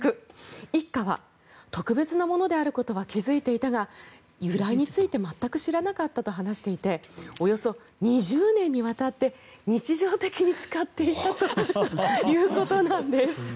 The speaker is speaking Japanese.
一家は特別なものであることは気付いていたが由来について全く知らなかったと話していておよそ２０年にわたって日常的に使っていたということです。